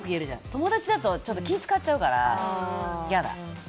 友達だったらちょっと気使っちゃうから嫌だ。